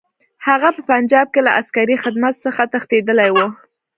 هغه په پنجاب کې له عسکري خدمت څخه تښتېدلی وو.